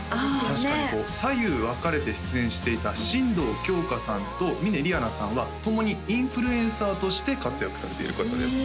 確かにこう左右分かれて出演していた神堂きょうかさんと峯りあなさんは共にインフルエンサーとして活躍されている方です